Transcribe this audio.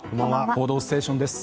「報道ステーション」です。